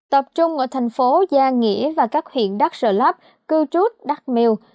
tập trung ở thành phố gia nghĩa và các huyện đắc sở lắp cư trút đắk miêu